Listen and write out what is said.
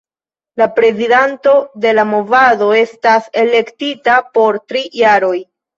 La prezidanto de la movado estas elektita por tri jaroj.